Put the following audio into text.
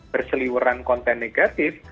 berseliuran konten negatif